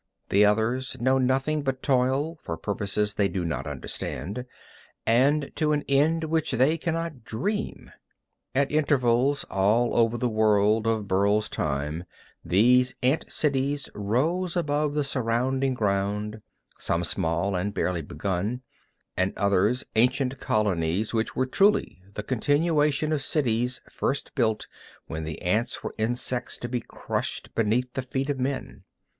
The others know nothing but toil, for purposes they do not understand, and to an end of which they cannot dream. At intervals all over the world of Burl's time these ant cities rose above the surrounding ground, some small and barely begun, and others ancient colonies which were truly the continuation of cities first built when the ants were insects to be crushed beneath the feet of men.